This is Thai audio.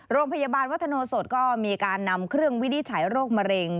โรงพยาบาลวัฒโนสดก็มีการนำเครื่องวินิจฉัยโรคมะเร็ง